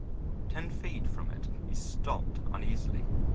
Ten feet from it he stopped uneasily.